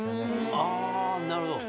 あなるほど。